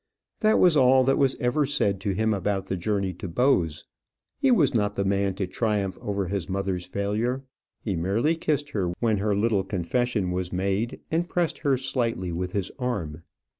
That was all that was ever said to him about the journey to Bowes. He was not the man to triumph over his mother's failure. He merely kissed her when her little confession was made, and pressed her slightly with his arm.